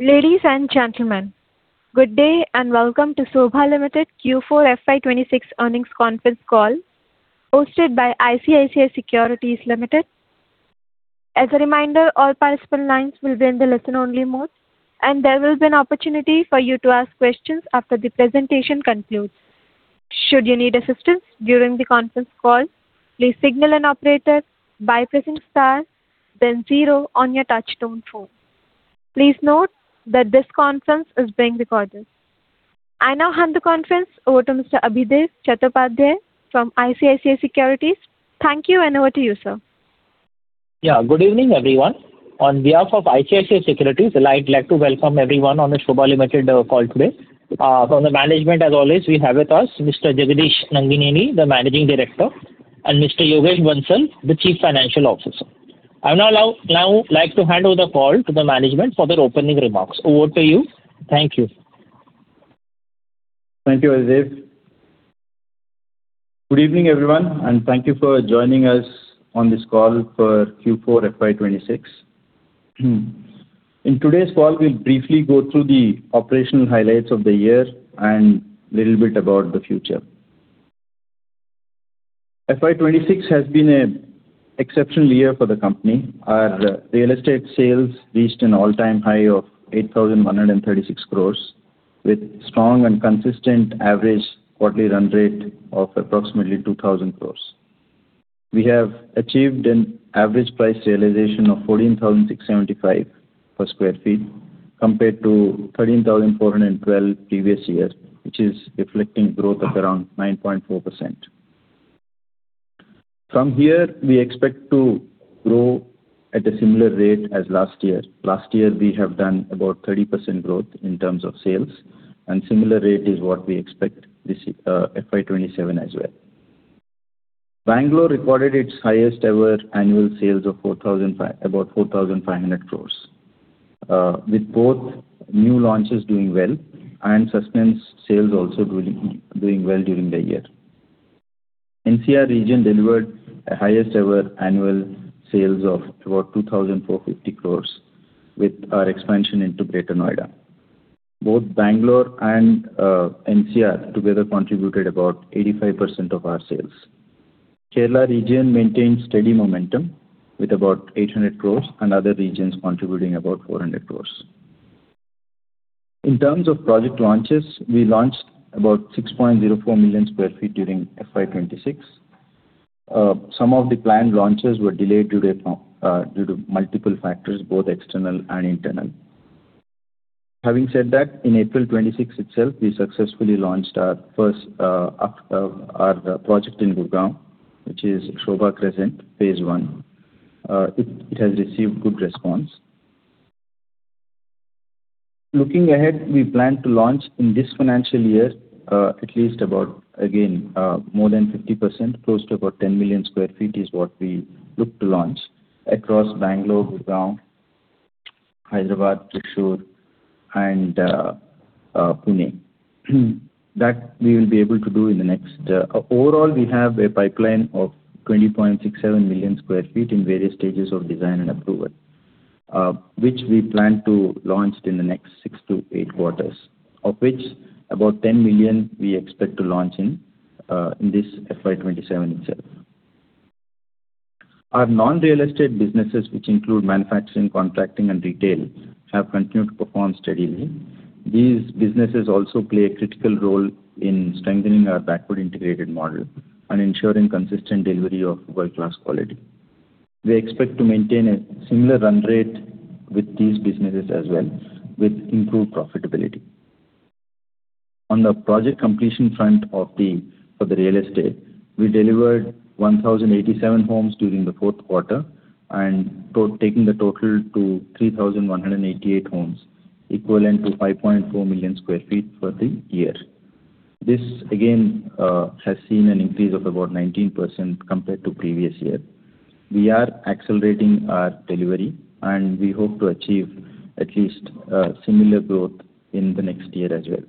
Ladies and gentlemen, good day, and welcome to Sobha Limited Q4 FY 2026 earnings conference call hosted by ICICI Securities Limited. As a reminder, all participant lines will be in the listen only mode, and there will be an opportunity for you to ask questions after the presentation concludes. Should you need assistance during the conference call, please signal an operator by pressing star then zero on your touchtone phone. Please note that this conference is being recorded. I now hand the conference over to Mr. Adhidev Chattopadhyay from ICICI Securities. Thank you, and over to you, sir. Good evening, everyone. On behalf of ICICI Securities, I'd like to welcome everyone on the Sobha Limited call today. From the management as always, we have with us Mr. Jagadish Nangineni, the managing director, and Mr. Yogesh Bansal, the chief financial officer. I would now like to hand over the call to the management for their opening remarks. Over to you. Thank you. Thank you, Adhidev. Good evening, everyone, and thank you for joining us on this call for Q4 FY 2026. In today's call, we'll briefly go through the operational highlights of the year and little bit about the future. FY 2026 has been an exceptional year for the company. Our real estate sales reached an all-time high of 8,136 crores with strong and consistent average quarterly run rate of approximately 2,000 crores. We have achieved an average price realization of 14,675 per sq ft compared to 13,412 previous year, which is reflecting growth of around 9.4%. From here, we expect to grow at a similar rate as last year. Last year, we have done about 30% growth in terms of sales. Similar rate is what we expect this FY27 as well. Bangalore recorded its highest ever annual sales of 4,500 crores, with both new launches doing well and suspense sales also doing well during the year. NCR region delivered a highest ever annual sales of about 2,450 crores with our expansion into Greater Noida. Both Bangalore and NCR together contributed about 85% of our sales. Kerala region maintained steady momentum with about 800 crores. Other regions contributing about 400 crores. In terms of project launches, we launched about 6.04 million square feet during FY26. Some of the planned launches were delayed due to multiple factors, both external and internal. Having said that, in April 26 itself, we successfully launched our first project in Gurgaon, which is SOBHA Crescent phase I. It has received good response. Looking ahead, we plan to launch in this financial year, at least about, again, more than 50%, close to about 10 million square feet is what we look to launch across Bangalore, Gurgaon, Hyderabad, Trichy, and Pune. Overall, we have a pipeline of 20.67 million square feet in various stages of design and approval, which we plan to launch in the next six to eight quarters. Of which about 10 million we expect to launch in this FY 2027 itself. Our non-real estate businesses, which include manufacturing, contracting, and retail, have continued to perform steadily. These businesses also play a critical role in strengthening our backward integrated model and ensuring consistent delivery of world-class quality. We expect to maintain a similar run rate with these businesses as well with improved profitability. On the project completion front for the real estate, we delivered 1,087 homes during the fourth quarter taking the total to 3,188 homes, equivalent to 5.4 million square feet for the year. This again has seen an increase of about 19% compared to previous year. We are accelerating our delivery, and we hope to achieve at least, similar growth in the next year as well.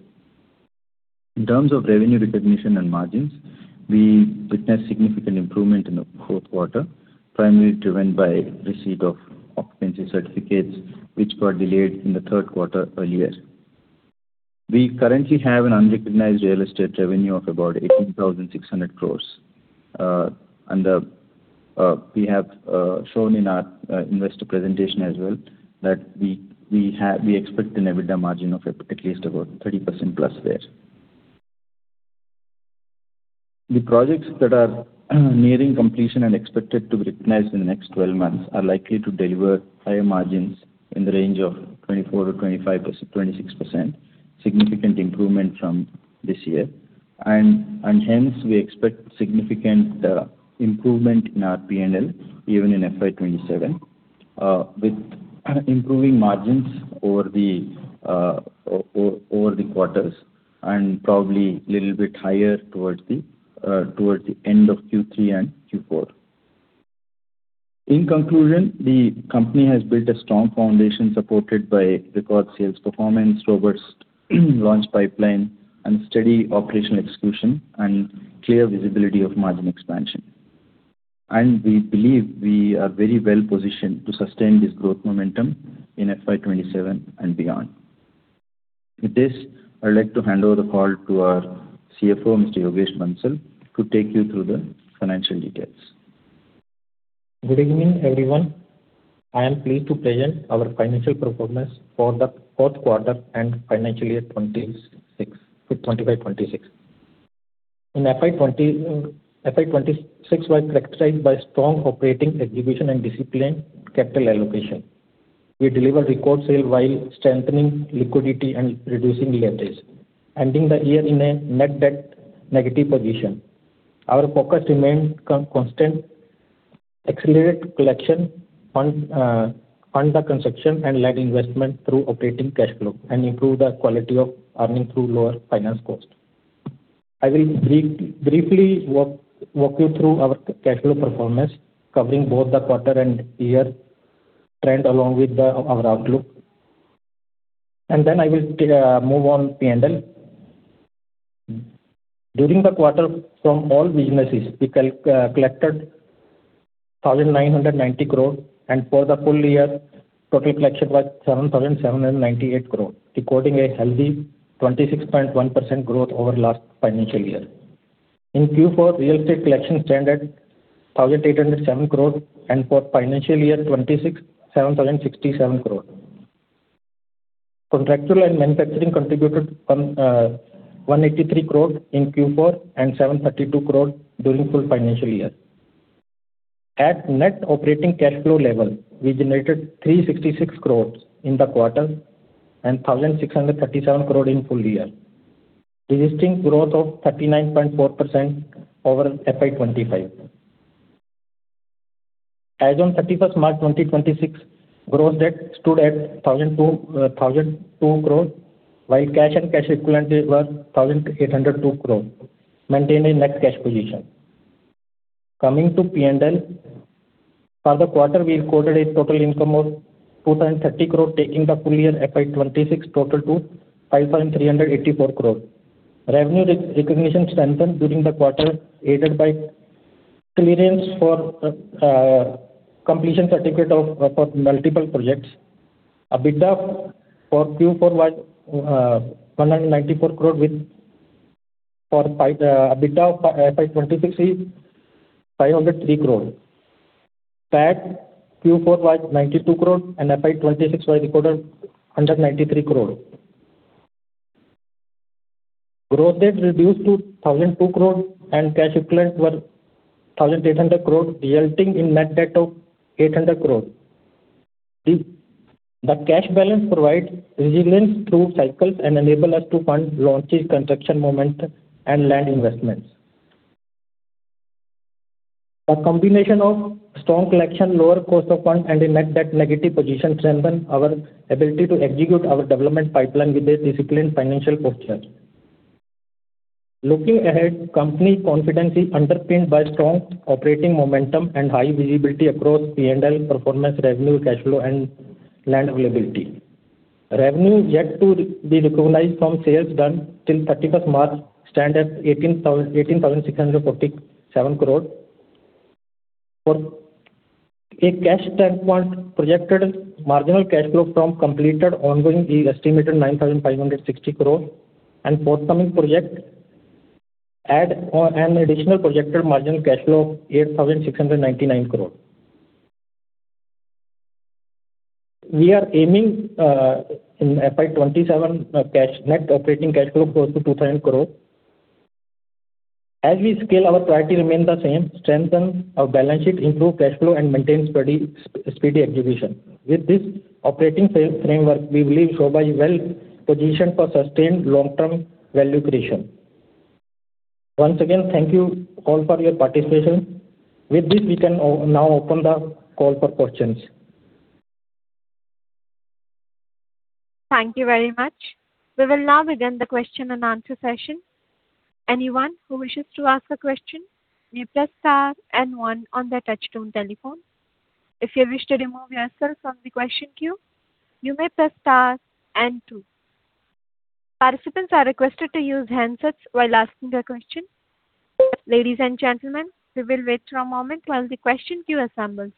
In terms of revenue recognition and margins, we witnessed significant improvement in the fourth quarter, primarily driven by receipt of occupancy certificates which were delayed in the third quarter earlier. We currently have an unrecognized real estate revenue of about 18,600 crores. We have shown in our investor presentation as well that we expect an EBITDA margin of at least about 30% plus there. The projects that are nearing completion and expected to be recognized in the next 12 months are likely to deliver higher margins in the range of 24%-25%-26%, significant improvement from this year. Hence we expect significant improvement in our P&L even in FY 2027 with improving margins over the quarters and probably little bit higher towards the end of Q3 and Q4. In conclusion, the company has built a strong foundation supported by record sales performance, robust launch pipeline and steady operational execution and clear visibility of margin expansion. We believe we are very well positioned to sustain this growth momentum in FY 2027 and beyond. With this, I'd like to hand over the call to our CFO, Mr. Yogesh Bansal, to take you through the financial details. Good evening, everyone. I am pleased to present our financial performance for the fourth quarter and financial year 2025, 2026. FY 2026 was characterized by strong operating execution and disciplined capital allocation. We delivered record sale while strengthening liquidity and reducing leverage, ending the year in a net debt negative position. Our focus remained constant, accelerate collection, fund the construction and land investment through operating cash flow and improve the quality of earning through lower finance cost. I will briefly walk you through our cash flow performance, covering both the quarter and year trend along with our outlook. Then I will move on P&L. During the quarter from all businesses, we collected 1,990 crore, and for the full year, total collection was 7,798 crore, recording a healthy 26.1% growth over last financial year. In Q4, real estate collection stand at 1,807 crore, and for financial year 2026, 7,067 crore. Contractual and manufacturing contributed 183 crore in Q4 and 732 crore during full financial year. At net operating cash flow level, we generated 366 crores in the quarter and 1,637 crore in full year, registering growth of 39.4% over FY 2025. As on 31st March 2026, gross debt stood at 1,002 crore, while cash and cash equivalents were 1,802 crore, maintaining net cash position. Coming to P&L. For the quarter, we recorded a total income of 230 crore, taking the full year FY 2026 total to 5.384 crore. Revenue recognition strengthened during the quarter, aided by clearance for completion certificate of for multiple projects. EBITDA for Q4 was 194 crore. EBITDA for FY 2026 is 503 crore. PAT, Q4 was 92 crore and FY 2026 was recorded 193 crore. Gross debt reduced to 1,002 crore and cash equivalent were 1,800 crore, resulting in net debt of 800 crore. The cash balance provides resilience through cycles and enable us to fund launches, construction momentum and land investments. The combination of strong collection, lower cost of funds and a net debt negative position strengthen our ability to execute our development pipeline with a disciplined financial posture. Looking ahead, company confidence is underpinned by strong operating momentum and high visibility across P&L performance, revenue, cash flow and land availability. Revenue yet to be recognized from sales done till 31st March stand at 18,647 crore. For a cash standpoint, projected marginal cash flow from completed ongoing is estimated 9,560 crore, and forthcoming project add on an additional projected marginal cash flow of 8,699 crore. We are aiming in FY27 cash, net operating cash flow close to 2,000 crore. As we scale, our priority remain the same, strengthen our balance sheet, improve cash flow and maintain steady execution. With this operating scale framework, we believe Sobha is well positioned for sustained long-term value creation. Once again, thank you all for your participation. With this, we can now open the call for questions. Thank you very much. We will now begin the question and answer session. Anyone who wishes to ask a question, you press star and one on their touchtone telephone. If you wish to remove yourself from the question queue, you may press star and two. Participants are requested to use handsets while asking a question. Ladies and gentlemen, we will wait for a moment while the question queue assembles.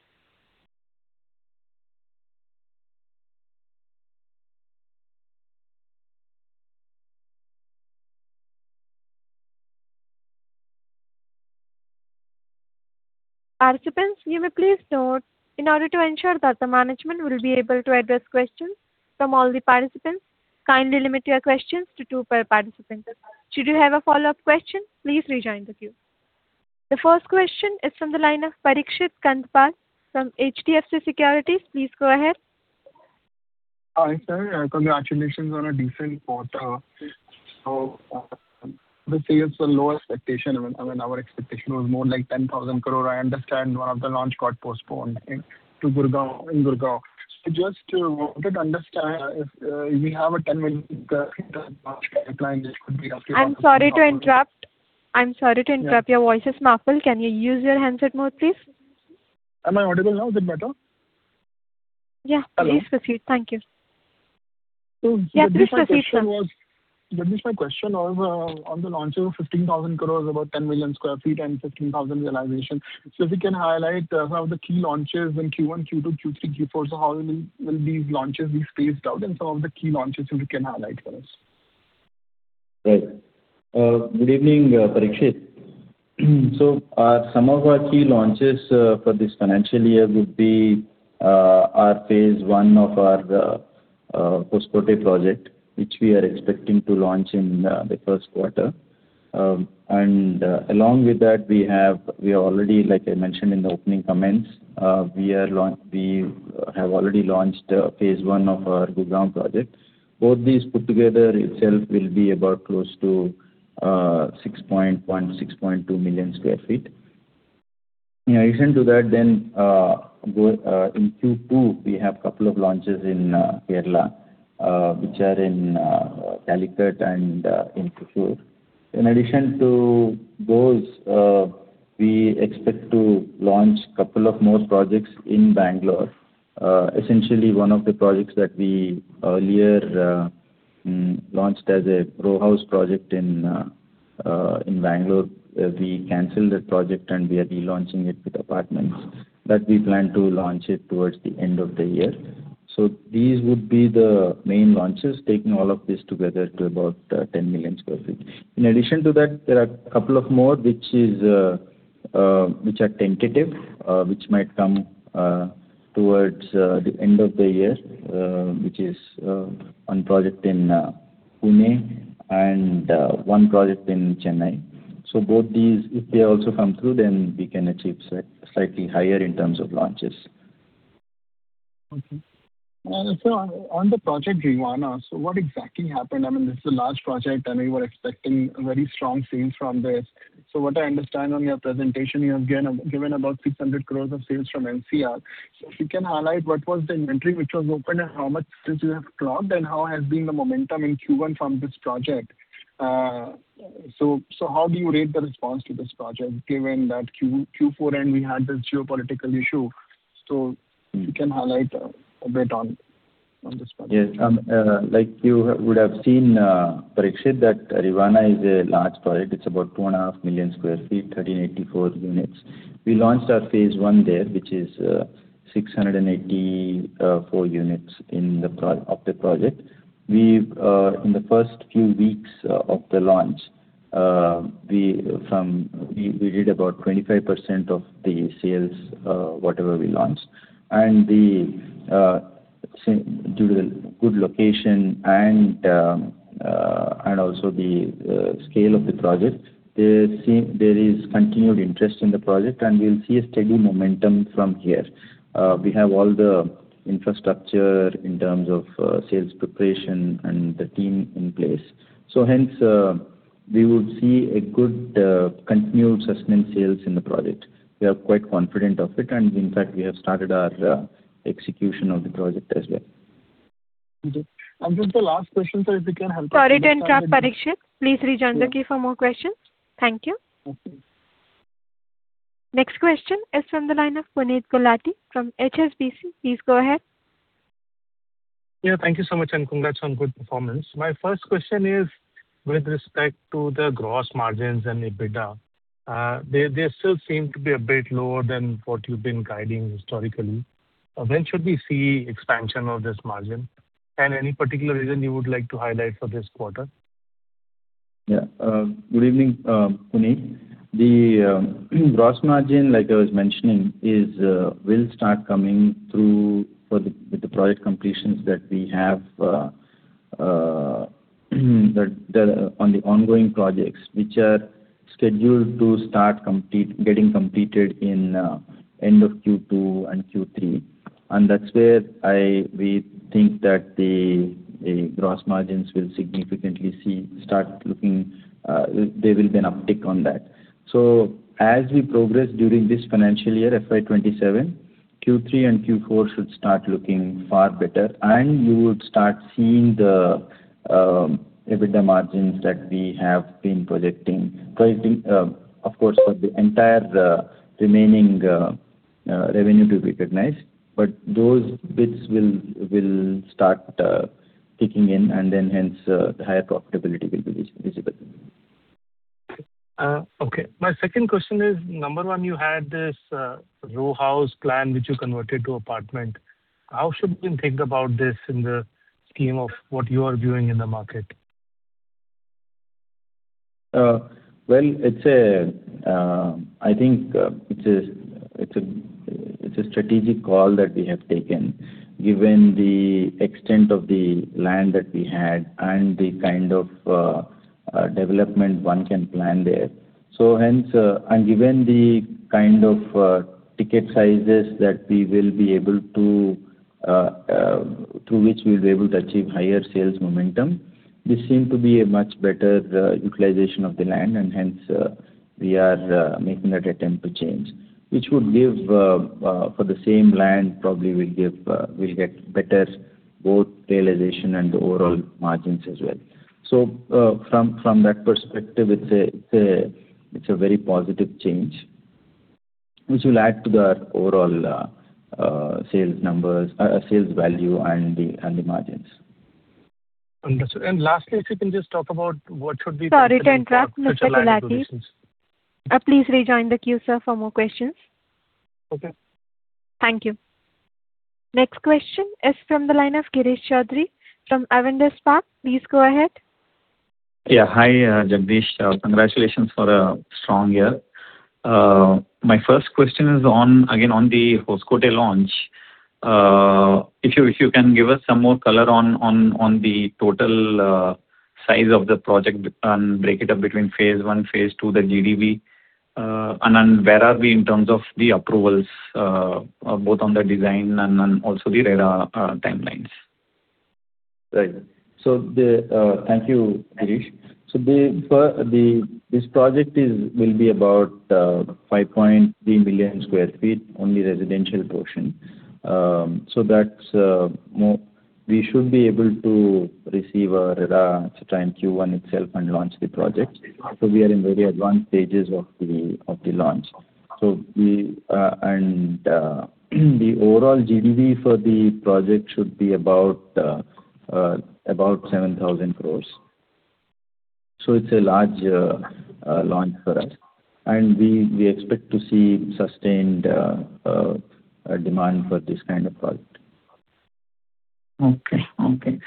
Participants, you may please note, in order to ensure that the management will be able to address questions from all the participants, kindly limit your questions to two per participant. Should you have a follow-up question, please rejoin the queue. The first question is from the line of Parikshit Kandpal from HDFC Securities. Please go ahead. Hi, sir. Congratulations on a decent quarter. The sales were low expectation. I mean, our expectation was more like 10,000 crore. I understand one of the launch got postponed in, to Gurgaon, in Gurgaon. Just wanted to understand if We have a ten-minute time frame. This could be up to- I'm sorry to interrupt. Yeah. Your voice is muffled. Can you use your handset mode, please? Am I audible now? Is it better? Yeah. Hello. Please proceed. Thank you. So- Please proceed, sir. Girish, my question on the launches of 15,000 crores, about 10 million sq ft and 15,000 realization. If you can highlight, some of the key launches in Q1, Q2, Q3, Q4. How will these launches be spaced out, and some of the key launches if you can highlight for us. Good evening, Parikshit. Some of our key launches for this financial year would be our phase I of our Hoskote project, which we are expecting to launch in the first quarter. Along with that, we are already, like I mentioned in the opening comments, we have already launched phase I of our Gurgaon project. Both these put together itself will be about close to 6.2 million square feet. In addition to that, in Q2, we have couple of launches in Kerala, which are in Calicut and in Kochi. In addition to those, we expect to launch couple of more projects in Bangalore. Essentially, one of the projects that we earlier launched as a row house project in Bangalore, we canceled that project and we are relaunching it with apartments. We plan to launch it towards the end of the year. These would be the main launches, taking all of this together to about 10 million square feet. In addition to that, there are couple more which are tentative, which might come towards the end of the year, which is one project in Pune and one project in Chennai. Both these, if they also come through, then we can achieve slightly higher in terms of launches. Okay. On the project Rivana, what exactly happened? I mean, this is a large project and we were expecting very strong sales from this. What I understand on your presentation, you have given about 600 crores of sales from NCR. If you can highlight what was the inventory which was open and how much sales you have clocked, and how has been the momentum in Q1 from this project. How do you rate the response to this project given that Q4, and we had this geopolitical issue? If you can highlight a bit on this project. Yes. like you would have seen, Parikshit, that Rivana is a large project. It's about 2.5 million sq ft, 1,384 units. We launched our phase I there, which is 684 units of the project. We've in the first few weeks of the launch, we did about 25% of the sales, whatever we launched. Due to the good location and also the scale of the project, there is continued interest in the project, and we'll see a steady momentum from here. We have all the infrastructure in terms of sales preparation and the team in place. Hence, we would see a good continued sustained sales in the project. We are quite confident of it, and in fact, we have started our execution of the project as well. Okay. Just the last question, sir. Sorry to interrupt, Parikshit. Please rejoin the queue for more questions. Thank you. Okay. Next question is from the line of Puneet Gulati from HSBC. Please go ahead. Yeah. Thank you so much, and congrats on good performance. My first question is with respect to the gross margins and EBITDA. They still seem to be a bit lower than what you've been guiding historically. When should we see expansion of this margin? Any particular reason you would like to highlight for this quarter? Yeah. Good evening, Puneet. The gross margin, like I was mentioning, will start coming through for the, with the project completions that we have, the, on the ongoing projects, which are scheduled to start getting completed in end of Q2 and Q3. That's where we think that the gross margins will significantly start looking, there will be an uptick on that. As we progress during this financial year, FY 2027, Q3 and Q4 should start looking far better, and you would start seeing the EBITDA margins that we have been projecting. Projecting, of course, for the entire remaining revenue to be recognized. Those bits will start kicking in, and then hence, the higher profitability will be visible. Okay. My second question is, number one, you had this row house plan which you converted to apartment. How should we think about this in the scheme of what you are viewing in the market? Well, it's a, I think, it's a strategic call that we have taken given the extent of the land that we had and the kind of development one can plan there. Hence, given the kind of ticket sizes that we will be able to, through which we'll be able to achieve higher sales momentum, this seem to be a much better utilization of the land. Hence, we are making that attempt to change, which would give, for the same land probably will get better both realization and overall margins as well. From that perspective, it's a very positive change. Which will add to the overall sales numbers, sales value and the margins. Understood. lastly, if you can just talk about what should we be- Sorry to interrupt, Mr. Gulati. Please rejoin the queue, sir, for more questions. Okay. Thank you. Next question is from the line of Girish Choudhary from Avendus Spark. Please go ahead. Yeah. Hi, Jagadish. Congratulations for a strong year. My first question is on, again, on the Hoskote launch. If you can give us some more color on the total size of the project and break it up between phase I, phase II, the GDV. Where are we in terms of the approvals, both on the design and on also the RERA timelines? Right. Thank you, Girish. This project is, will be about 5.3 million sq ft, only residential portion. We should be able to receive our RERA sometime Q1 itself and launch the project. We are in very advanced stages of the launch. The overall GDV for the project should be about 7,000 crores. It's a large launch for us. We expect to see sustained demand for this kind of product. Okay. Okay.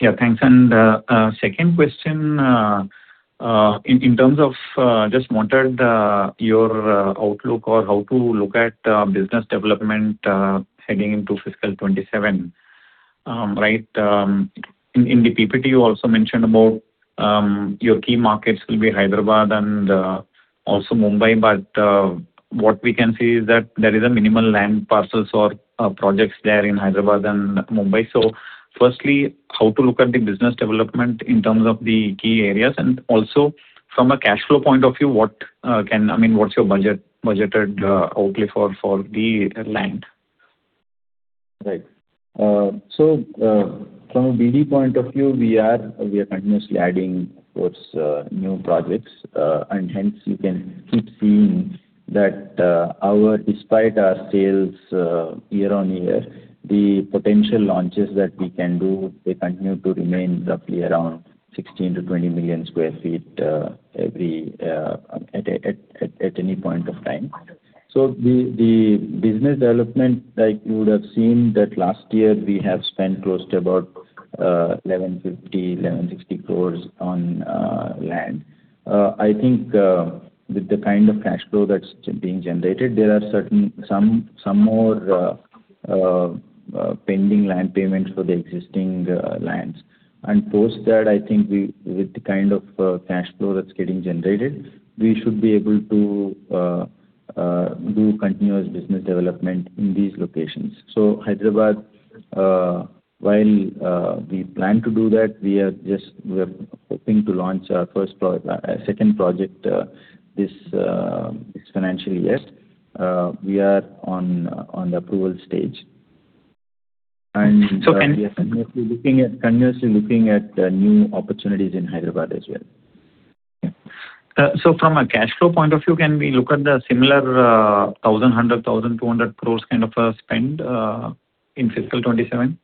Yeah, thanks. Second question, in terms of, just wanted your outlook or how to look at business development heading into fiscal 2027, right? In the PPT you also mentioned about your key markets will be Hyderabad and also Mumbai. What we can see is that there is a minimal land parcels or projects there in Hyderabad and Mumbai. Firstly, how to look at the business development in terms of the key areas? Also from a cash flow point of view, what can I mean, what's your budgeted outlay for the land? Right. From a BD point of view, we are continuously adding, of course, new projects. Hence you can keep seeing that, despite our sales, year-on-year, the potential launches that we can do, they continue to remain roughly around 16-20 million sq ft at any point of time. The business development, like you would have seen that last year we have spent close to about 1,150-1,160 crores on land. I think, with the kind of cash flow that's being generated, there are certain some more pending land payments for the existing lands. Post that, I think we, with the kind of cash flow that's getting generated, we should be able to do continuous business development in these locations. Hyderabad, while we plan to do that, we are just, we are hoping to launch our second project this financial year. We are on the approval stage. So can- We are continuously looking at new opportunities in Hyderabad as well. Yeah. From a cash flow point of view, can we look at the similar 1,100 crore-1,200 crore kind of a spend in FY 2027?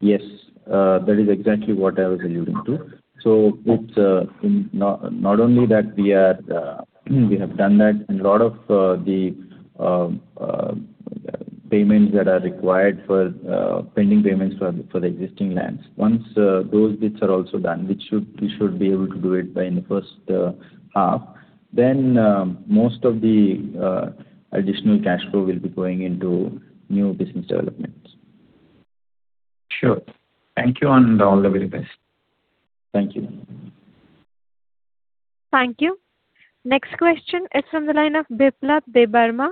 Yes. That is exactly what I was alluding to. It's not only that we are, we have done that, and a lot of the payments that are required for pending payments for the existing lands. Once those bits are also done, we should be able to do it by in the first half, most of the additional cash flow will be going into new business developments. Sure. Thank you, and all the very best. Thank you. Thank you. Next question is from the line of Biplab Debbarma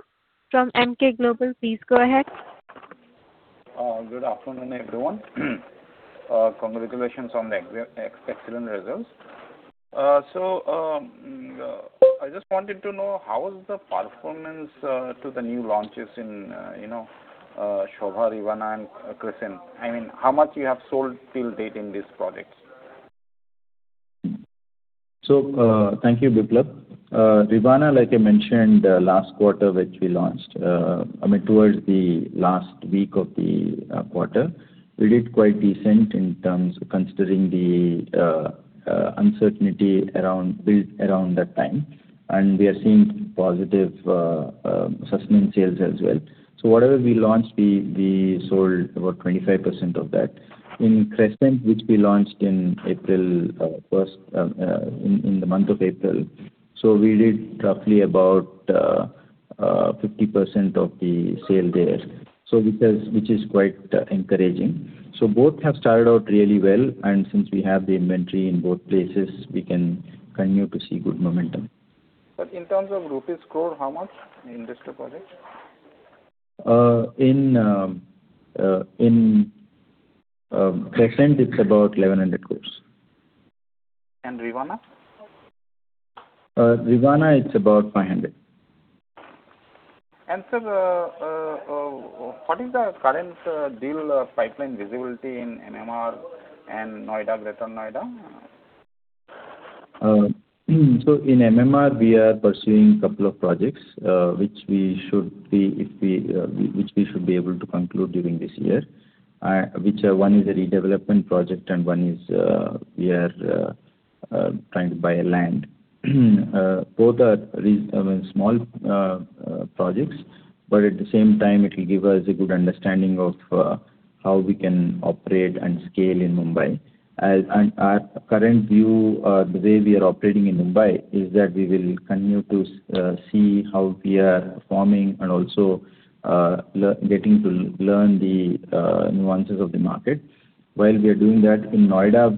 from Emkay Global. Please go ahead. Good afternoon, everyone. Congratulations on the excellent results. I just wanted to know how was the performance to the new launches in, you know, Sobha Rivana and Crescent? I mean, how much you have sold till date in these projects? Thank you, Biplab. Rivana, like I mentioned, last quarter, which we launched, I mean, towards the last week of the quarter. We did quite decent in terms considering the uncertainty built around that time. We are seeing positive sustenance sales as well. Whatever we launched, we sold about 25% of that. In Crescent, which we launched in April, first, in the month of April. We did roughly about 50% of the sale there. Which is quite encouraging. Both have started out really well, and since we have the inventory in both places, we can continue to see good momentum. In terms of rupees crore, how much in these two projects? In Crescent it's about INR 1,100 crores. Rivana? Rivana it's about 500. Sir, what is the current deal pipeline visibility in MMR and Noida, Greater Noida? In MMR, we are pursuing couple of projects, which we should be able to conclude during this year. Which, one is a redevelopment project and one is, we are trying to buy a land. Both are re I mean, small projects, but at the same time it will give us a good understanding of how we can operate and scale in Mumbai. Our current view, the way we are operating in Mumbai is that we will continue to see how we are performing and also, getting to learn the nuances of the market. While we are doing that, in Noida,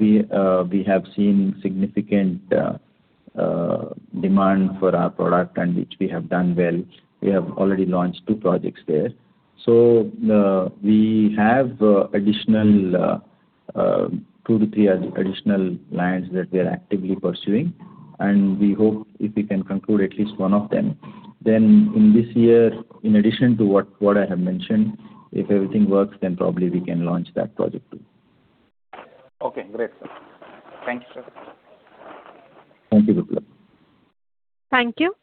we have seen significant demand for our product and which we have done well. We have already launched two projects there. We have additional two to three additional lands that we are actively pursuing, and we hope if we can conclude at least one of them. In this year, in addition to what I have mentioned, if everything works, then probably we can launch that project too. Okay, great, sir. Thank you, sir. Thank you. Good luck. Thank you.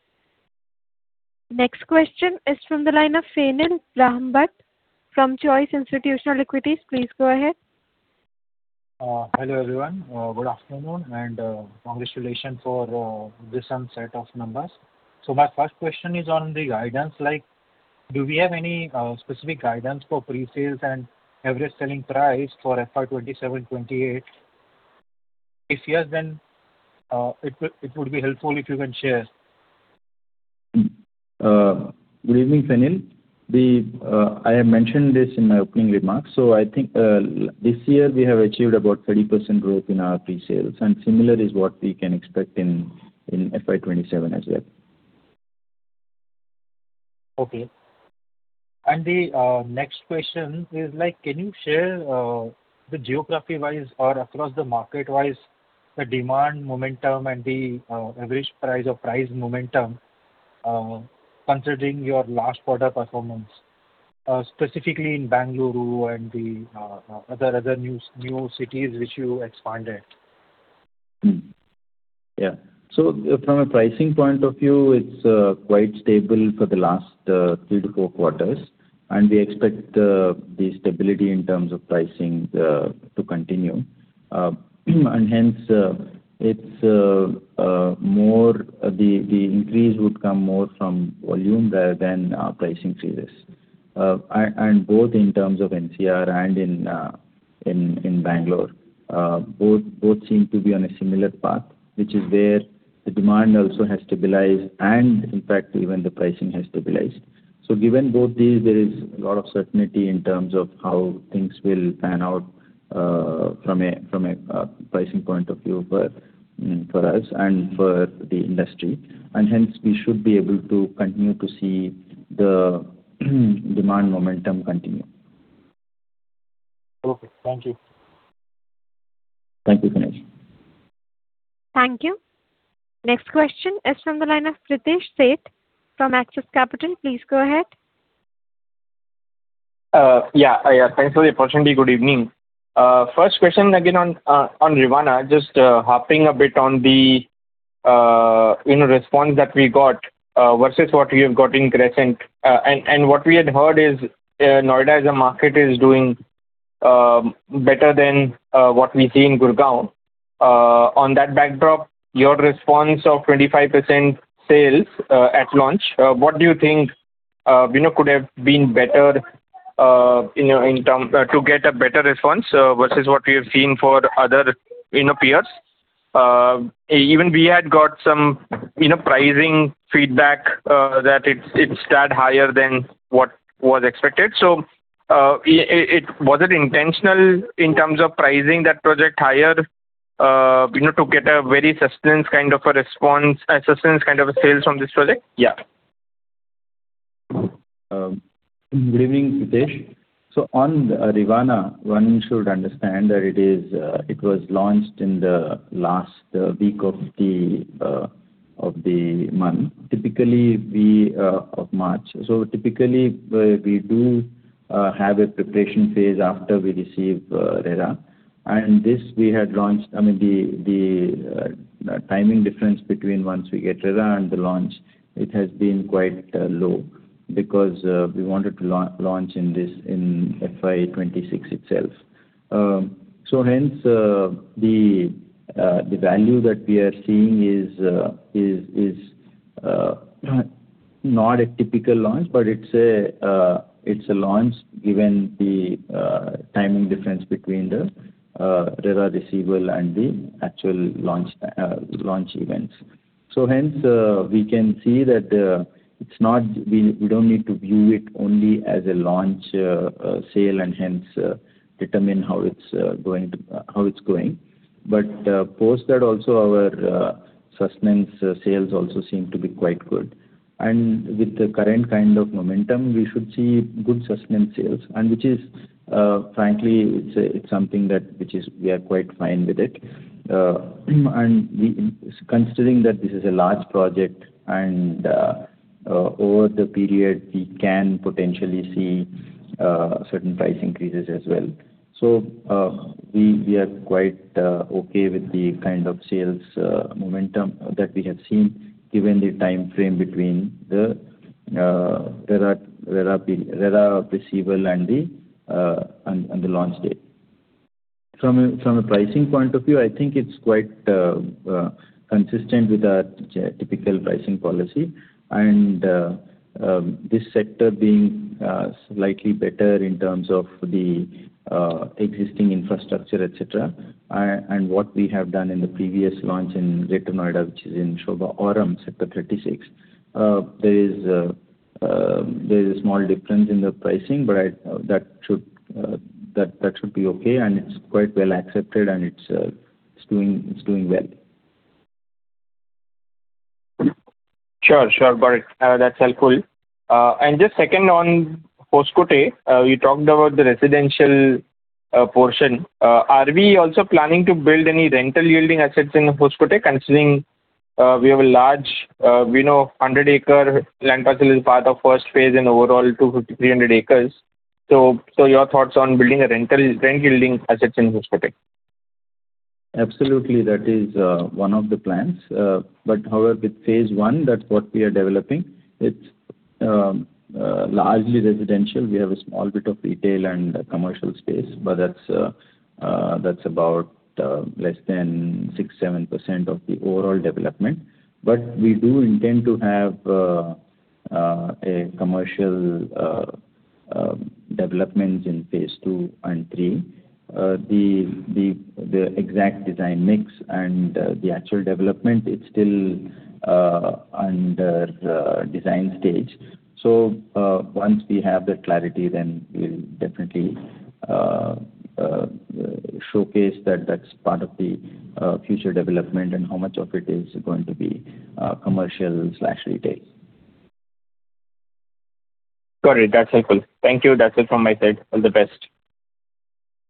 Next question is from the line of Fenil Brahmbhatt from Choice Institutional Equities. Please go ahead. Hello everyone. Good afternoon and congratulations for this onset of numbers. My first question is on the guidance, like do we have any specific guidance for pre-sales and average selling price for FY 2027, 2028? If yes, then, it would be helpful if you can share. Good evening, Fenil. I have mentioned this in my opening remarks. I think, this year we have achieved about 30% growth in our pre-sales. Similar is what we can expect in FY 2027 as well. Okay. The next question is like, can you share the geography-wise or across the market-wise, the demand momentum and the average price or price momentum, considering your last quarter performance, specifically in Bengaluru and the other new cities which you expanded? Yeah. From a pricing point of view, it's quite stable for the last three to four quarters, and we expect the stability in terms of pricing to continue. Hence, it's more the increase would come more from volume rather than pricing changes. Both in terms of NCR and in Bangalore, both seem to be on a similar path, which is where the demand also has stabilized and in fact even the pricing has stabilized. Given both these, there is a lot of certainty in terms of how things will pan out from a pricing point of view for us and for the industry. Hence we should be able to continue to see the demand momentum continue. Okay. Thank you. Thank you, Fenil. Thank you. Next question is from the line of Pritesh Sheth from Axis Capital. Please go ahead. Yeah, thanks for the opportunity. Good evening. First question again on Sobha Rivana. Just harping a bit on the, you know, response that we got versus what we have got in SOBHA Crescent. What we had heard is Noida as a market is doing better than what we see in Gurgaon. On that backdrop, your response of 25% sales at launch, what do you think, you know, could have been better, to get a better response versus what we have seen for other, you know, peers? Even we had got some, you know, pricing feedback that it stacked higher than what was expected. Was it intentional in terms of pricing that project higher, you know, to get a very sustenance kind of a response, a sustenance kind of sales from this project? Yeah. Good evening, Pritesh. On Rivana, one should understand that it is, it was launched in the last week of the month of March. Typically, we do have a preparation phase after we receive RERA. This we had launched, I mean, the timing difference between once we get RERA and the launch, it has been quite low because we wanted to launch in this, in FY 2026 itself. Hence, the value that we are seeing is not a typical launch, but it's a launch given the timing difference between the RERA receival and the actual launch events. Hence, we can see that it's not. We don't need to view it only as a launch sale and hence determine how it's going. Post that also our sustenance sales also seem to be quite good. With the current kind of momentum, we should see good sustenance sales, which is frankly it's something that we are quite fine with it. Considering that this is a large project and over the period, we can potentially see certain price increases as well. We are quite okay with the kind of sales momentum that we have seen given the time frame between the RERA receivable and the launch date. From a pricing point of view, I think it's quite consistent with our typical pricing policy. This sector being slightly better in terms of the existing infrastructure, et cetera. What we have done in the previous launch in Greater Noida, which is in Sobha Aurum, sector 36. There is a small difference in the pricing, but that should be okay, and it's quite well accepted, and it's doing well. Sure. Sure. Got it. That's helpful. Just second on Hoskote, you talked about the residential portion. Are we also planning to build any rental yielding assets in Hoskote, considering we have a large, we know 100 acre land parcel is part of first phase and overall 250, 300 acres. Your thoughts on building a rent yielding assets in Hoskote. Absolutely, that is one of the plans. However, with phase I, that's what we are developing. It's largely residential. We have a small bit of retail and commercial space, that's about less than 6, 7% of the overall development. We do intend to have a commercial development in phase II and III. The exact design mix and the actual development, it's still under the design stage. Once we have that clarity, then we'll definitely showcase that that's part of the future development and how much of it is going to be commercial slash retail. Got it. That's helpful. Thank you. That's it from my side. All the best.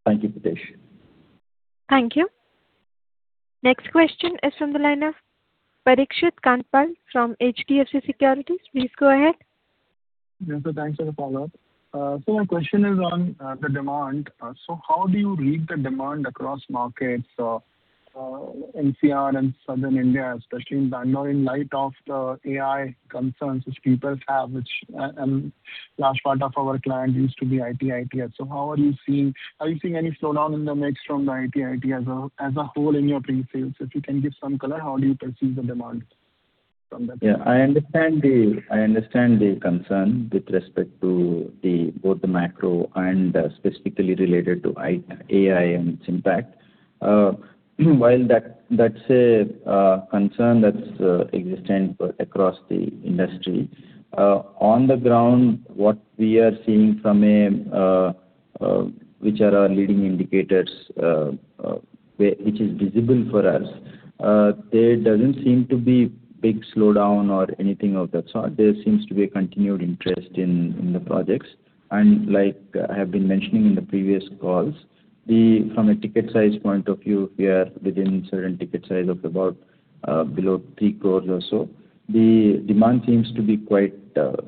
Thank you, Pritesh. Thank you. Next question is from the line of Parikshit Kandpal from HDFC Securities. Please go ahead. Yes, sir. Thanks for the follow-up. My question is on the demand. How do you read the demand across markets, NCR and Southern India, especially in Bangalore, in light of the AI concerns which peoples have, which large part of our clients used to be IT-ITES. Are you seeing any slowdown in the mix from the IT-ITES as a whole in your pre-sales? If you can give some color, how do you perceive the demand from that perspective? Yeah. I understand the concern with respect to the both the macro and specifically related to AI and its impact. While that's a concern that's existent across the industry. On the ground, what we are seeing from a which are our leading indicators, which is visible for us, there doesn't seem to be big slowdown or anything of that sort. There seems to be a continued interest in the projects. Like I have been mentioning in the previous calls, from a ticket size point of view, we are within certain ticket size of about below 3 crores or so. The demand seems to be quite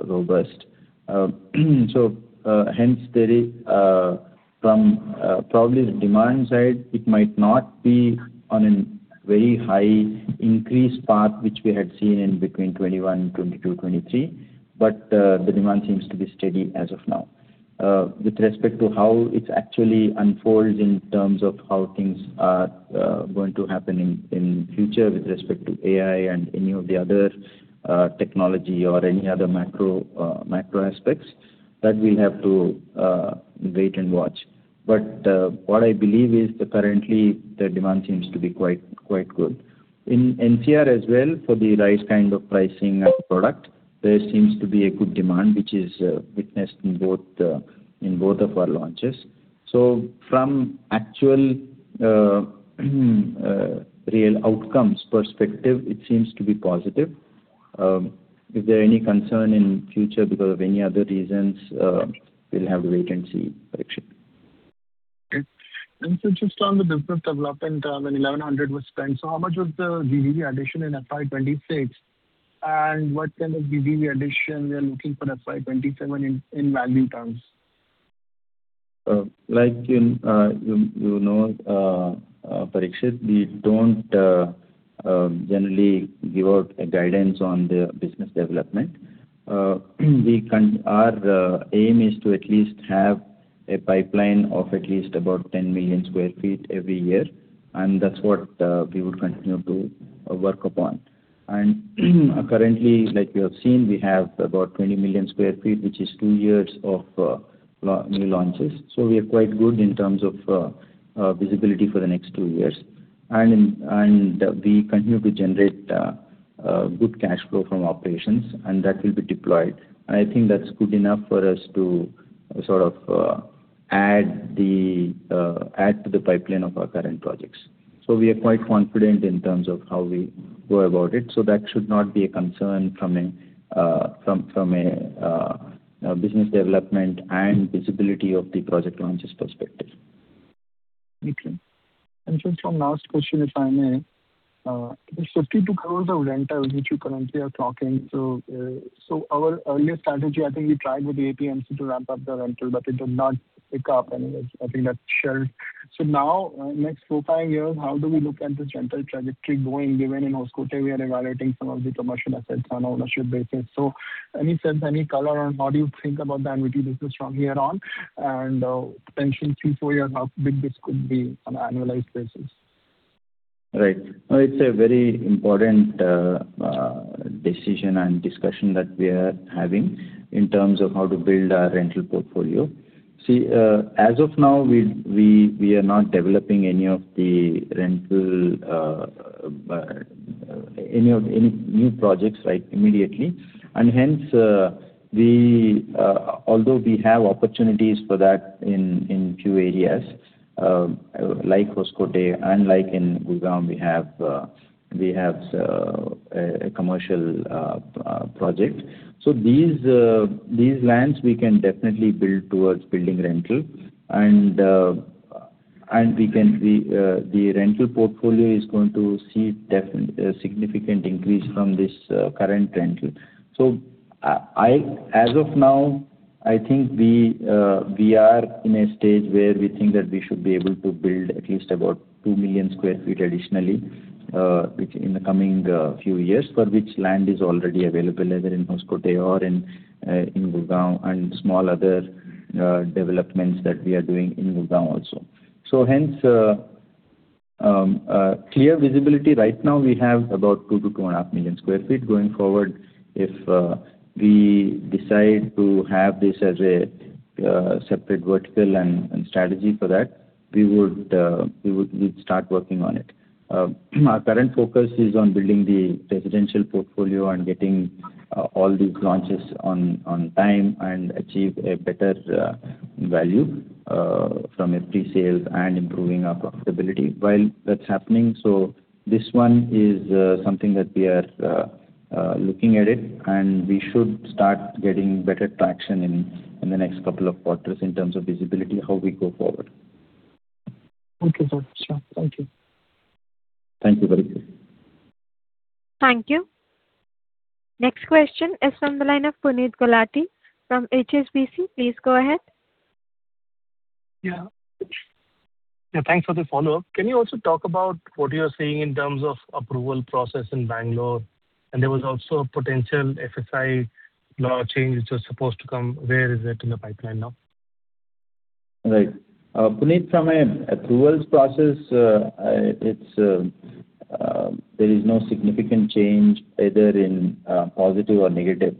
robust. Hence there is from probably the demand side, it might not be on a very high increased path, which we had seen in between 2021, 2022, 2023, but the demand seems to be steady as of now. With respect to how it actually unfolds in terms of how things are going to happen in future with respect to AI and any of the other technology or any other macro aspects, that we have to wait and watch. What I believe is that currently the demand seems to be quite good. In NCR as well, for the right kind of pricing and product, there seems to be a good demand, which is witnessed in both of our launches. From actual real outcomes perspective, it seems to be positive. If there are any concern in future because of any other reasons, we'll have to wait and see, Parikshit. Okay. Sir, just on the business development, when 1,100 was spent. How much was the GDV addition in FY 2026? What kind of GDV addition we are looking for FY 2027 in value terms? Like in, you know, Parikshit, we don't generally give out a guidance on the business development. Our aim is to at least have a pipeline of at least about 10 million square feet every year, that's what we would continue to work upon. Currently, like you have seen, we have about 20 million square feet, which is two years of new launches. We are quite good in terms of visibility for the next two years. We continue to generate good cash flow from operations, that will be deployed. I think that's good enough for us to sort of add to the pipeline of our current projects. We are quite confident in terms of how we go about it. That should not be a concern from a business development and visibility of the project launches perspective. Okay. Just one last question, if I may. The 52 crores of rental which you currently are talking. Our earlier strategy, I think we tried with APMC to ramp up the rental, but it did not pick up, and I think that shelved. Now, next four, five years, how do we look at this rental trajectory going, given in Hoskote we are evaluating some of the commercial assets on ownership basis? In a sense, any color on how do you think about the annuity business from here on, and, potentially three, four years, how big this could be on an annualized basis? Right. No, it's a very important decision and discussion that we are having in terms of how to build our rental portfolio. See, as of now, we, we are not developing any of the rental any of any new projects, like, immediately. Hence, we, although we have opportunities for that in few areas, like Hoskote and like in Gurgaon, we have, we have a commercial project. So these lands we can definitely build towards building rental. We can, the rental portfolio is going to see a significant increase from this current rental. I as of now, I think we are in a stage where we think that we should be able to build at least about 2 million sq ft additionally, which in the coming few years, for which land is already available either in Hoskote or in Gurgaon and small other developments that we are doing in Gurgaon also. Hence, clear visibility right now we have about 2 to 2.5 million sq ft. Going forward, if we decide to have this as a separate vertical and strategy for that, we would, we'd start working on it. Our current focus is on building the residential portfolio and getting all these launches on time and achieve a better value from a pre-sales and improving our profitability while that's happening. This one is something that we are looking at it, and we should start getting better traction in the next couple of quarters in terms of visibility, how we go forward. Okay, sir. Sure. Thank you. Thank you very much. Thank you. Next question is from the line of Puneet Gulati from HSBC. Please go ahead. Yeah. Yeah, thanks for the follow-up. Can you also talk about what you are seeing in terms of approval process in Bangalore? There was also a potential FSI law change which was supposed to come. Where is it in the pipeline now? Right. Puneet, from a approvals process, there is no significant change either in positive or negative.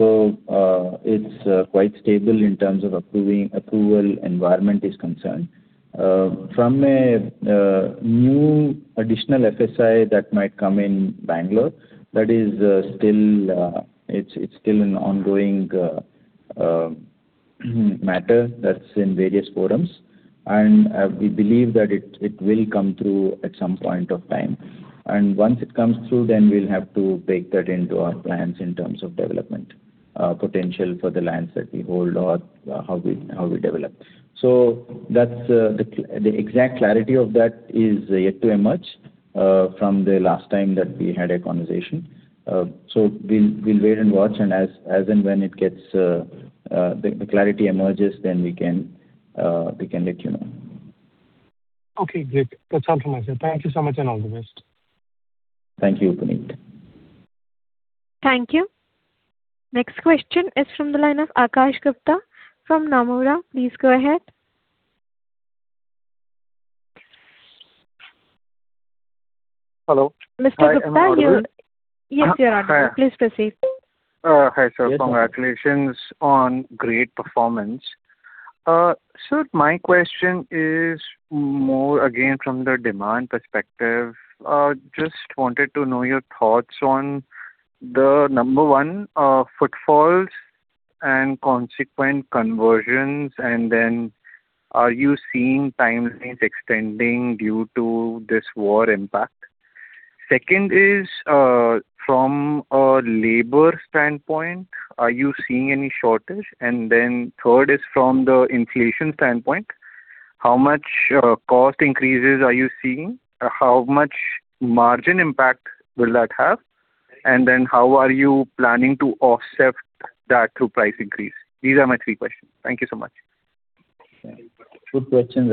It's quite stable in terms of approval environment is concerned. From a new additional FSI that might come in Bangalore, that is still an ongoing matter that's in various forums. We believe that it will come through at some point of time. Once it comes through, we'll have to bake that into our plans in terms of development potential for the lands that we hold or how we develop. That's the exact clarity of that is yet to emerge from the last time that we had a conversation. We'll wait and watch, and as and when it gets, the clarity emerges, then we can, we can let you know. Okay, great. That's all from my side. Thank you so much, and all the best. Thank you, Puneet. Thank you. Next question is from the line of Akash Gupta from Nomura. Please go ahead. Hello. Mr. Gupta. Hi, I'm audible? Yes, you're audible. Hi. Please proceed. Hi, sir. Yes, go ahead. Congratulations on great performance. Sir, my question is more again from the demand perspective. Just wanted to know your thoughts on the, number one, footfalls and consequent conversions. Are you seeing timelines extending due to this war impact? Second is, from a labor standpoint, are you seeing any shortage? Third is from the inflation standpoint, how much cost increases are you seeing? How much margin impact will that have? How are you planning to offset that through price increase? These are my 3 questions. Thank you so much. Good questions,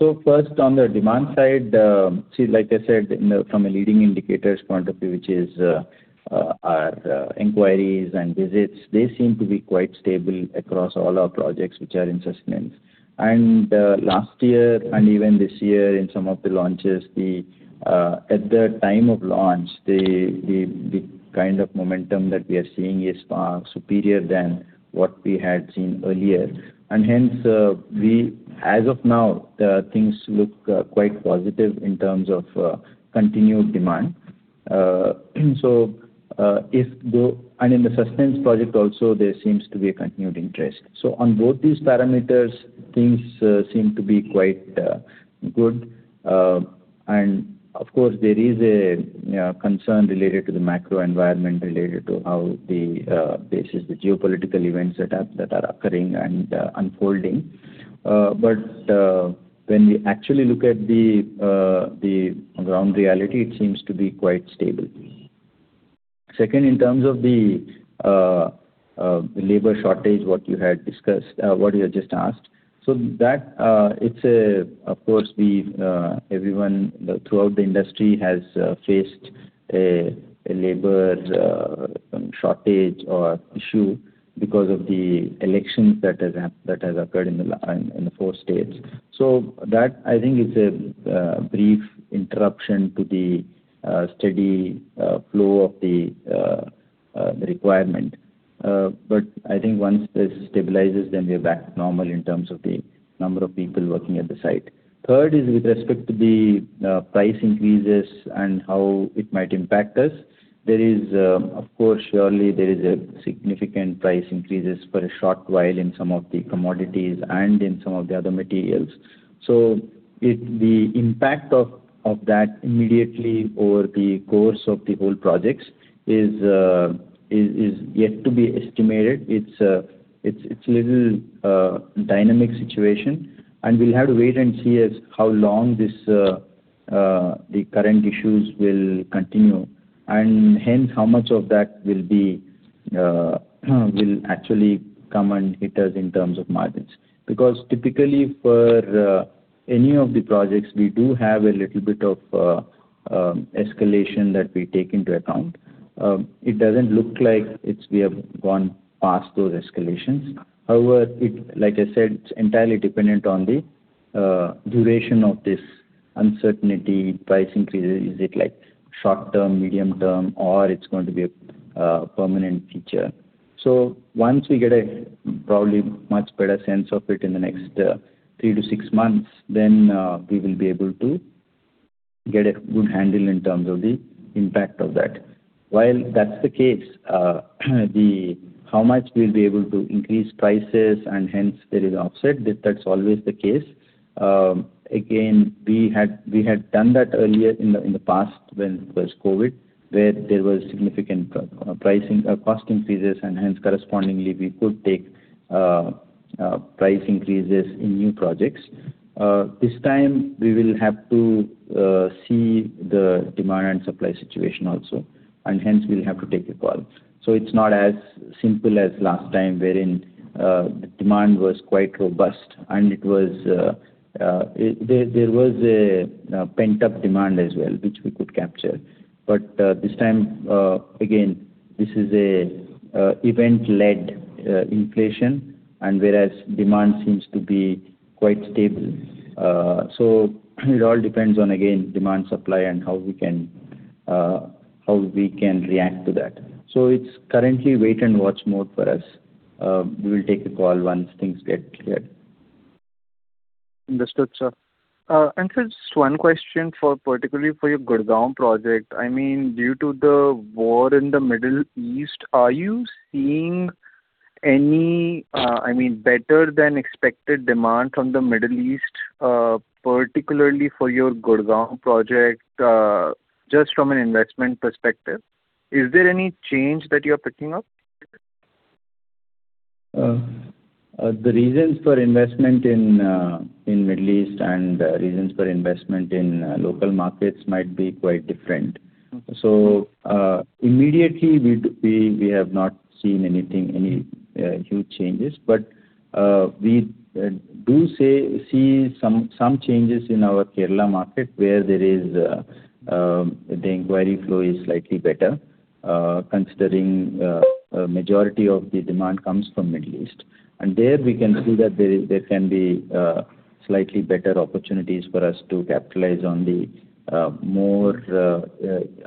Akash. First, on the demand side, see, like I said, you know, from a leading indicators point of view, which is, our inquiries and visits, they seem to be quite stable across all our projects which are in sustenance. Last year and even this year in some of the launches, the at the time of launch, the kind of momentum that we are seeing is superior than what we had seen earlier. Hence, we as of now, things look quite positive in terms of continued demand. In the sustenance project also there seems to be a continued interest. On both these parameters, things seem to be quite good. And of course, there is a concern related to the macro environment related to how the geopolitical events that are occurring and unfolding. When we actually look at the ground reality, it seems to be quite stable. Second, in terms of the labor shortage, what you had discussed, what you had just asked. That, of course, we've, everyone throughout the industry has faced a labor shortage or issue because of the elections that has occurred in the four states. That, I think, is a brief interruption to the steady flow of the requirement. I think once this stabilizes, then we're back to normal in terms of the number of people working at the site. Third is with respect to the price increases and how it might impact us. There is, of course, surely there is a significant price increases for a short while in some of the commodities and in some of the other materials. The impact of that immediately over the course of the whole projects is yet to be estimated. It's a little dynamic situation, and we'll have to wait and see as how long this the current issues will continue, and hence how much of that will actually come and hit us in terms of margins. Typically for any of the projects, we do have a little bit of escalation that we take into account. It doesn't look like we have gone past those escalations. Like I said, it's entirely dependent on the duration of this uncertainty, price increases. Is it like short term, medium term, or it's going to be a permanent feature? Once we get a probably much better sense of it in the next 3 months-6 months, then we will be able to get a good handle in terms of the impact of that. That's the case, the how much we'll be able to increase prices and hence there is an offset, that's always the case. Again, we had done that earlier in the past when there was COVID, where there was significant pricing, cost increases and hence correspondingly we could take price increases in new projects. This time we will have to see the demand and supply situation also, hence we'll have to take a call. It's not as simple as last time wherein the demand was quite robust and it was there was a pent-up demand as well, which we could capture. This time, again, this is a event-led inflation whereas demand seems to be quite stable. It all depends on, again, demand, supply, how we can react to that. It's currently wait and watch mode for us. We will take a call once things get clear. Understood, sir. Sir just one question for particularly for your Gurgaon project. I mean, due to the war in the Middle East, are you seeing any, I mean, better than expected demand from the Middle East, particularly for your Gurgaon project, just from an investment perspective? Is there any change that you're picking up? The reasons for investment in Middle East and reasons for investment in local markets might be quite different. Okay. Immediately we have not seen anything, any huge changes. We do see some changes in our Kerala market where there is the inquiry flow is slightly better, considering a majority of the demand comes from Middle East. There we can see that there can be slightly better opportunities for us to capitalize on the more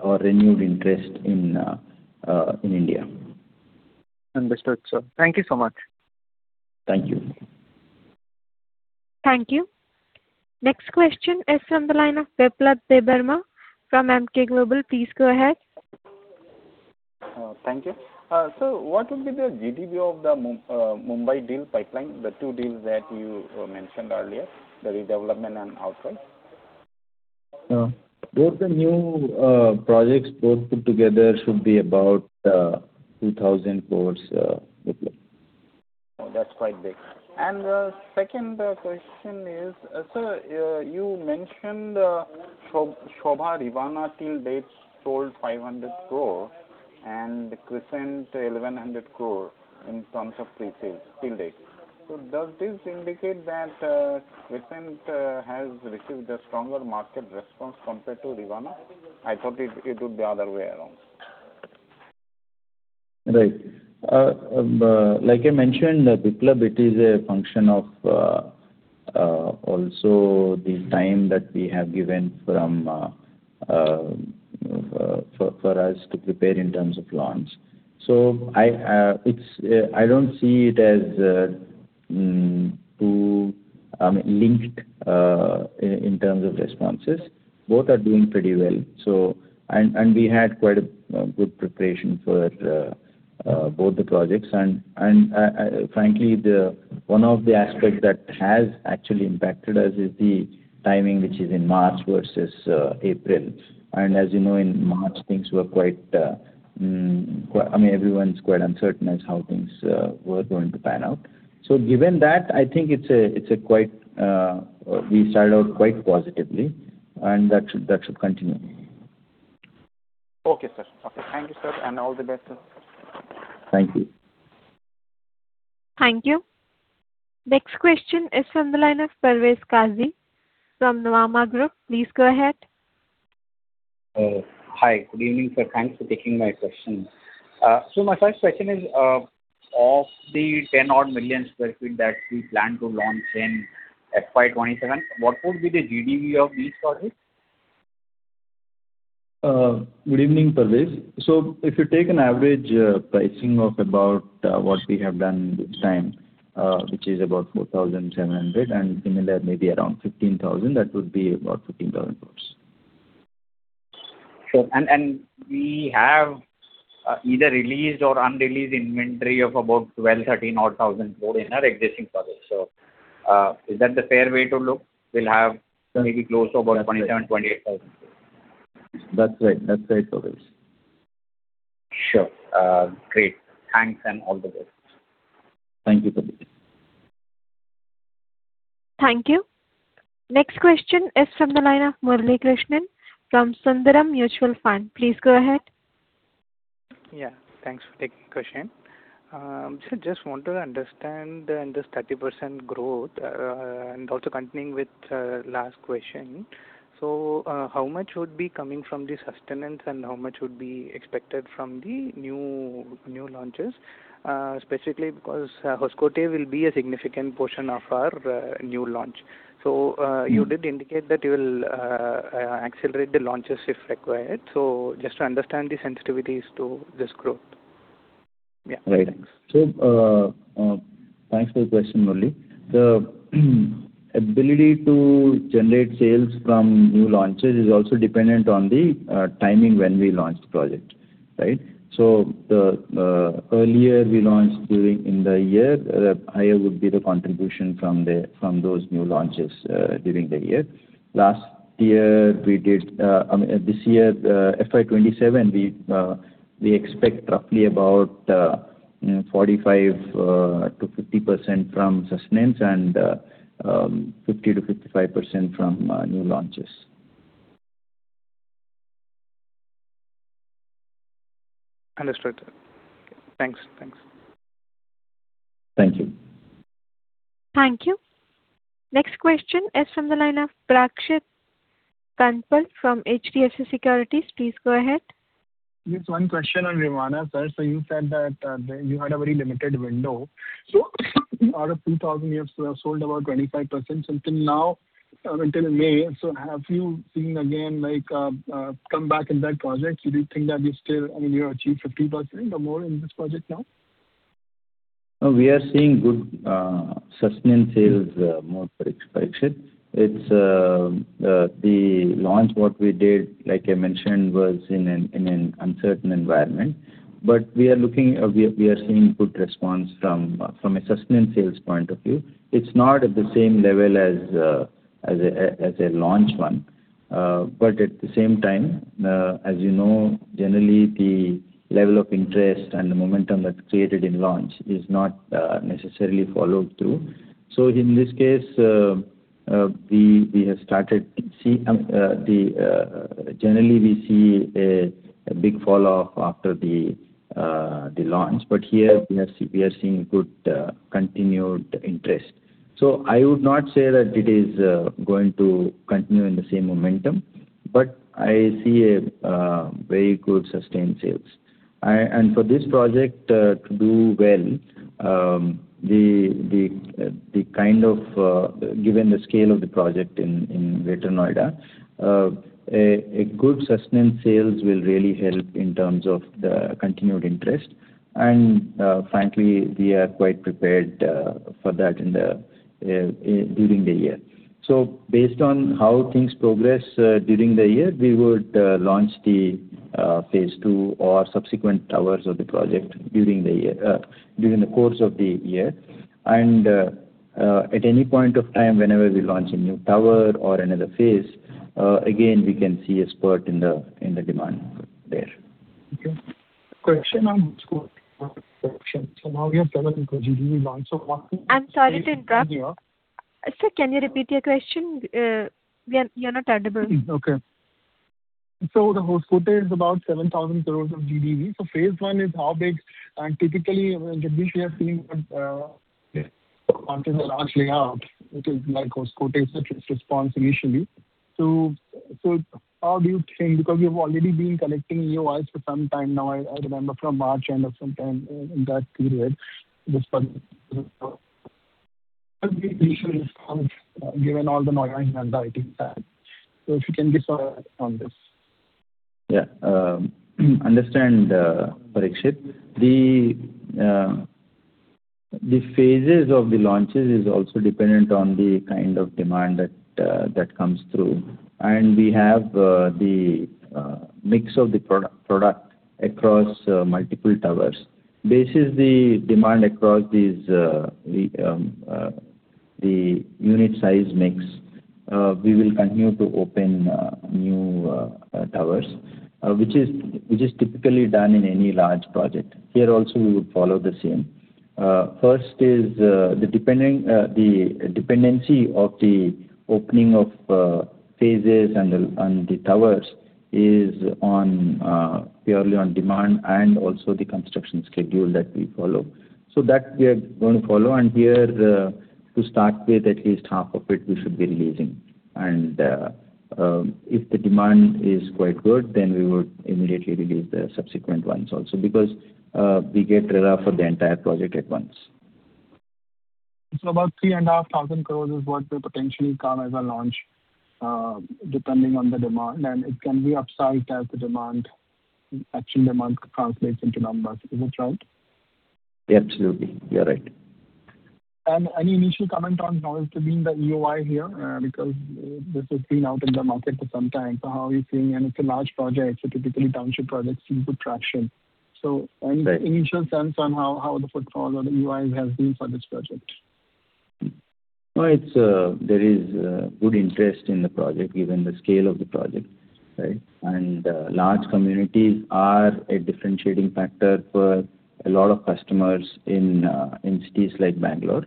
or renewed interest in India. Understood, sir. Thank you so much. Thank you. Thank you. Next question is from the line of Biplab Debbarma from Emkay Global. Please go ahead. Thank you. What would be the GDV of the Mumbai deal pipeline, the two deals that you mentioned earlier, the redevelopment and outright? Both the new projects both put together should be about 2,000 crores, Biplab. That's quite big. The second question is, sir, you mentioned Sobha Rivana till date sold 500 crore and Crescent 1,100 crore in terms of pre-sales till date. Does this indicate that Crescent has received a stronger market response compared to Rivana? I thought it would be other way around. Right. like I mentioned, Biplab, it is a function of also the time that we have given from for us to prepare in terms of loans. I, it's, I don't see it as too linked in terms of responses. Both are doing pretty well. We had quite a good preparation for both the projects. Frankly, one of the aspect that has actually impacted us is the timing, which is in March versus April. As you know, in March things were quite, everyone's quite uncertain as how things were going to pan out. Given that, I think it's a quite we started out quite positively, and that should continue. Okay, sir. Okay. Thank you, sir, and all the best, sir. Thank you. Thank you. Next question is from the line of Parvez Qazi from Nuvama Group. Please go ahead. Hi. Good evening, sir. Thanks for taking my question. My first question is, of the 10 odd million square feet that we plan to launch in FY 2027, what would be the GDV of these projects? Good evening, Parvez. If you take an average, pricing of about, what we have done this time, which is about 4,700, and similar maybe around 15,000, that would be about 15,000 crores. Sure. We have either released or unreleased inventory of about 12,000- 13,000 odd thousand crore in our existing projects. Is that the fair way to look? We'll have maybe close to about 27,000- 28,000 crores. That's right. That's right, Parvez. Sure. Great. Thanks, and all the best. Thank you, Parvez. Thank you. Next question is from the line of Murali Krishnan from Sundaram Mutual Fund. Please go ahead. Yeah. Thanks for taking question. Sir, just want to understand in this 30% growth, and also continuing with last question. How much would be coming from the sustenance and how much would be expected from the new launches? Specifically because Hoskote will be a significant portion of our new launch. You did indicate that you will accelerate the launches if required. Just to understand the sensitivities to this growth. Yeah, thanks. Right. Thanks for the question, Murali. The ability to generate sales from new launches is also dependent on the timing when we launch the project. Right. The earlier we launch during in the year, higher would be the contribution from those new launches during the year. Last year, we did, I mean, this year, FY 2027, we expect roughly about, you know, 45%-50% from sustenance and 50%-55% from new launches. Understood, sir. Okay. Thanks. Thank you. Thank you. Next question is from the line of Parikshit Kandpal from HDFC Securities. Please go ahead. Yes. One question on Rivana, sir. You said that you had a very limited window. Out of 2,000, you have sold about 25% till now until May. Have you seen again like a comeback in that project? Do you think that you still, I mean, you have achieved 50% or more in this project now? No, we are seeing good sustenance sales, more for expectation. It's the launch what we did, like I mentioned, was in an uncertain environment. We are looking, we are seeing good response from a sustenance sales point of view. It's not at the same level as a launch one. At the same time, as you know, generally the level of interest and the momentum that's created in launch is not necessarily followed through. In this case, we have started to see generally we see a big fall off after the launch. Here we are seeing good continued interest. I would not say that it is going to continue in the same momentum, but I see a very good sustained sales. And for this project to do well, the kind of given the scale of the project in Greater Noida, a good sustenance sales will really help in terms of the continued interest. Frankly, we are quite prepared for that in the during the year. Based on how things progress during the year, we would launch the phase II or subsequent towers of the project during the year, during the course of the year. At any point of time, whenever we launch a new tower or another phase, again, we can see a spurt in the demand there. Okay. Correction on Hoskote. Now we have INR 7,000 GDV launch. I'm sorry to interrupt. Yeah. Sir, can you repeat your question? You're not audible. Okay. The Hoskote is about 7,000 crores of GDV. Phase I is how big? Typically, I mean, typically we have seen with, Yeah. after the launch layout, which is like Hoskote's response initially. How do you think? Because you've already been collecting EOI for some time now. I remember from March end or sometime in that period, this project. Initially launched, given all the noise and the IT plan. if you can give your on this. Yeah. Understand, Parikshit. The phases of the launches is also dependent on the kind of demand that comes through. We have the mix of the product across multiple towers. Basis the demand across these, The unit size mix, we will continue to open new towers, which is typically done in any large project. Here also we would follow the same. First is the dependency of the opening of phases and the towers is on purely on demand and also the construction schedule that we follow. That we are going to follow. Here, to start with at least half of it we should be releasing. If the demand is quite good, we would immediately release the subsequent ones also, because we get RERA for the entire project at once. About 3,500 crores is what will potentially come as a launch, depending on the demand. It can be upsized as the demand, actual demand translates into numbers. Is it right? Absolutely. You're right. Any initial comment on how it's been, the EOI here? because this has been out in the market for some time. How are you seeing? It's a large project, so typically township projects seem good traction. Any initial sense on how the footfall or the EOI has been for this project? No, it's, there is good interest in the project, given the scale of the project. Right? Large communities are a differentiating factor for a lot of customers in cities like Bangalore.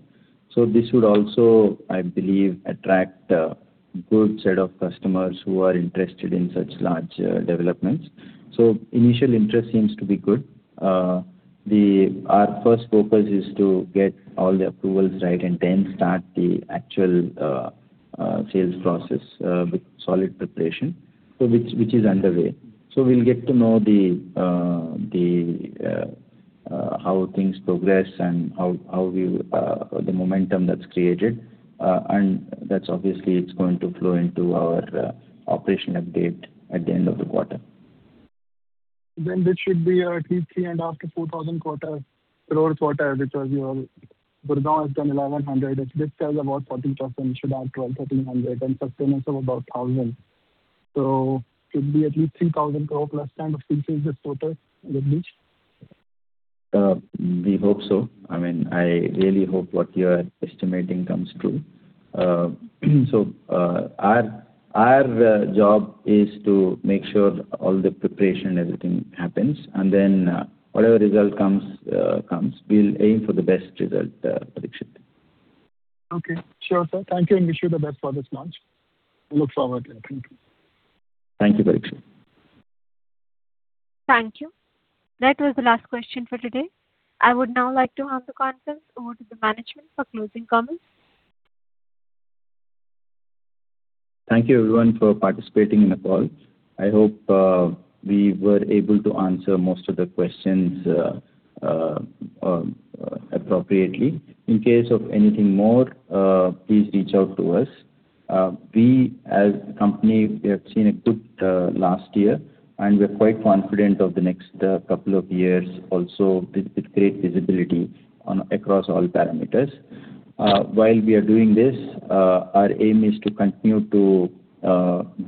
This would also, I believe, attract a good set of customers who are interested in such large developments. Initial interest seems to be good. Our first focus is to get all the approvals right, and then start the actual sales process with solid preparation. Which is underway. We'll get to know how things progress and how we the momentum that's created. That's obviously it's going to flow into our operational update at the end of the quarter. This should be at least 3.5-4,000 crores quarter, because your Gurgaon has done 1,100. If this sells about 40%, it should add 1,200, 1,300. Sustenna is of about 1,000. It should be at least 3,000 crore plus kind of sales this quarter, Abhijit? We hope so. I mean, I really hope what you're estimating comes true. Our job is to make sure all the preparation, everything happens, and then, whatever result comes. We'll aim for the best result, Parikshit. Okay. Sure, sir. Thank you. Wish you the best for this launch. We look forward. Thank you. Thank you, Parikshit. Thank you. That was the last question for today. I would now like to hand the conference over to the management for closing comments. Thank you everyone for participating in the call. I hope we were able to answer most of the questions appropriately. In case of anything more, please reach out to us. We as a company, we have seen a good last year, and we're quite confident of the next couple of years also with great visibility on across all parameters. While we are doing this, our aim is to continue to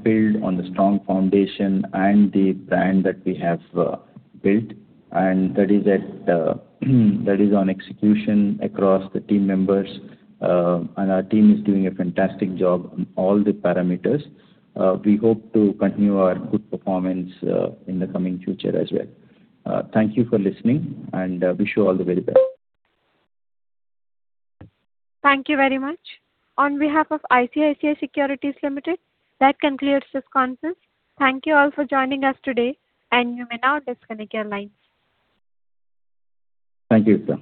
build on the strong foundation and the brand that we have built. That is at that is on execution across the team members. Our team is doing a fantastic job on all the parameters. We hope to continue our good performance in the coming future as well. Thank you for listening, wish you all the very best. Thank you very much. On behalf of ICICI Securities Limited, that concludes this conference. Thank you all for joining us today, and you may now disconnect your lines. Thank you.